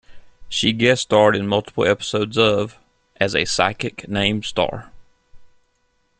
She guest starred in multiple episodes of "" as a psychic named Starr.